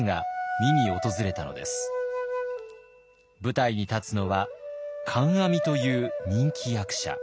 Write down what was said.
舞台に立つのは観阿弥という人気役者。